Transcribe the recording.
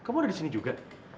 kamu ada disini juga